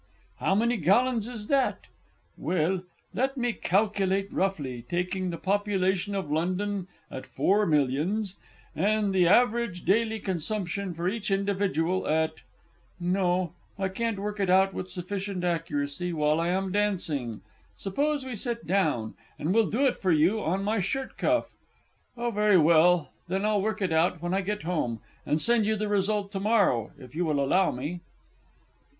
"How many gallons is that?" Well, let me calculate roughly taking the population of London at four millions, and the average daily consumption for each individual at no, I can't work it out with sufficient accuracy while I am dancing; suppose we sit down, and I'll do it for you on my shirt cuff oh, very well; then I'll work it out when I get home, and send you the result to morrow, if you will allow me.